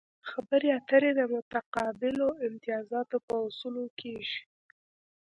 خبرې اترې د متقابلو امتیازاتو په اصولو کیږي